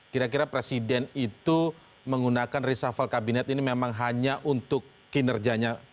kira kira presiden itu menggunakan reshuffle kabinet ini memang hanya untuk kinerjanya